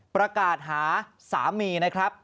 ประกาศหาสามีนะครับ